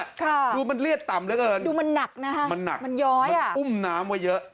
ค่ะดูมันเรียดต่ำเหลือเกินดูมันหนักนะคะมันหนักมันย้อยอ่ะอุ้มน้ำไว้เยอะ